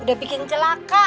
udah bikin celaka